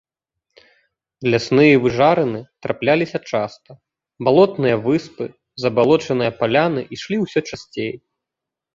Лясныя выжарыны трапляліся часта, балотныя выспы, забалочаныя паляны ішлі ўсё часцей.